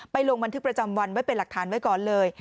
ลงบันทึกประจำวันไว้เป็นหลักฐานไว้ก่อนเลย